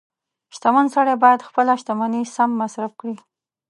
• شتمن سړی باید خپله شتمني سم مصرف کړي.